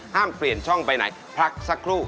เปลี่ยนช่องไปไหนพักสักครู่